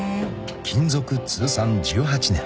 ［勤続通算１８年］